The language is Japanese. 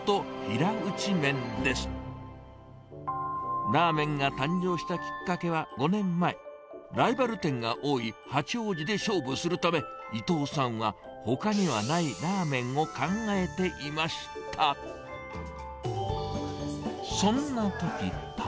ラーメンが誕生したきっかけは５年前、ライバル店が多い八王子で勝負するため、伊藤さんはほかにはないラーメンを考えていました。